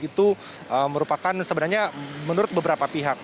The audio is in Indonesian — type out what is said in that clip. itu merupakan sebenarnya menurut beberapa pihak